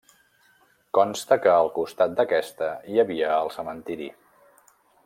Consta que al costat d'aquesta, hi havia, el cementiri.